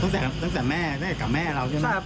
ตั้งแต่ตั้งแต่แม่ตั้งแต่กับแม่เราใช่ไหม